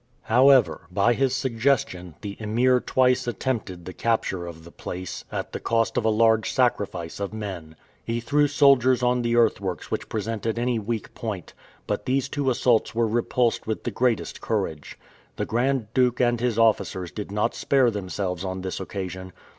However, by his suggestion, the Emir twice attempted the capture of the place, at the cost of a large sacrifice of men. He threw soldiers on the earth works which presented any weak point; but these two assaults were repulsed with the greatest courage. The Grand Duke and his officers did not spare themselves on this occasion.